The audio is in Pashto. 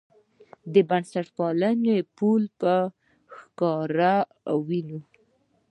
د بنسټپالنې پل په ښکاره ووینو.